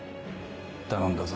頼んだぞ。